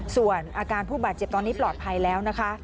ส่วนอาการผู้บาดเจ็บตอนนี้ปลอดภัยแล้วนะคะ